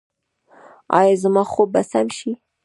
ایا زما خوب به سم شي؟